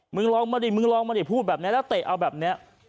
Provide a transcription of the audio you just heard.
ลองมาดิมึงลองมาดิพูดแบบนี้แล้วเตะเอาแบบนี้